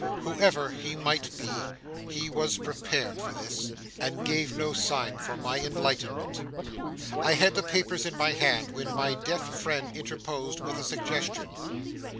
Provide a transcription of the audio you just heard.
Whoever he might be, he was prepared for this, and gave no sign for my enlightenment. I had the papers in my hand, when my deaf friend interposed with a suggestion.